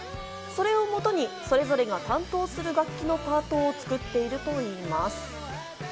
それをもとに、それぞれが担当する楽器のパートを作っているといいます。